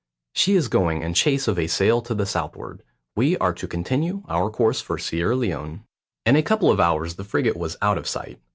"She is going in chase of a sail to the southward. We are to continue our course for Sierra Leone." In a couple of hours the frigate was out of sight.